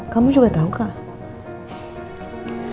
kamu juga tahu kak